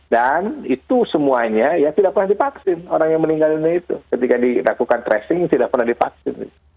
dan itu semuanya ya tidak pernah dipaksin orang yang meninggal dunia itu